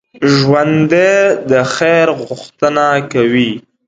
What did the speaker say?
ژوندي د خیر غوښتنه کوي